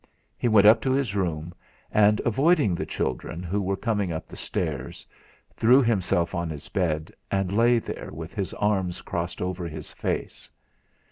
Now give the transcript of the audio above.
He went up to his room, and, avoiding the children, who were coming up the stairs, threw himself on his bed, and lay there with his arms crossed over his face.